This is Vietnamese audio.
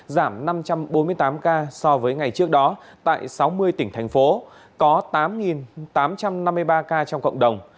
giảm năm trăm bốn mươi tám ca so với ngày trước đó tại sáu mươi tỉnh thành phố có tám tám trăm năm mươi ba ca trong cộng đồng